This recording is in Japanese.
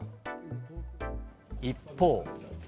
一方。